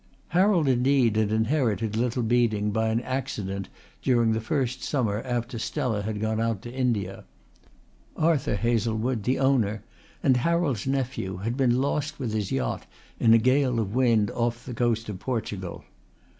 Harold indeed had inherited Little Beeding by an accident during the first summer after Stella had gone out to India. Arthur Hazlewood, the owner and Harold's nephew, had been lost with his yacht in a gale of wind off the coast of Portugal.